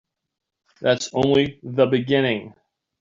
That's only the beginning.